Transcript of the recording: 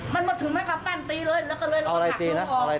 มันมาถึงไว้กำปั้นตีเลยแล้วเราก็หักลูงออก